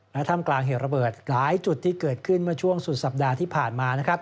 และท่ามกลางเหตุระเบิดหลายจุดที่เกิดขึ้นเมื่อช่วงสุดสัปดาห์ที่ผ่านมานะครับ